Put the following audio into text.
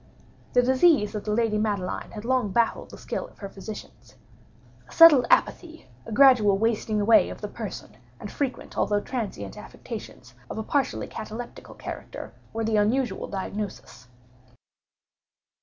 The disease of the lady Madeline had long baffled the skill of her physicians. A settled apathy, a gradual wasting away of the person, and frequent although transient affections of a partially cataleptical character, were the unusual diagnosis.